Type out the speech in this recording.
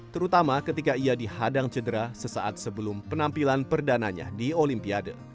terutama ketika ia dihadang cedera sesaat sebelum penampilan perdananya di olimpiade